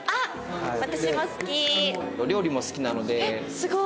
すごい！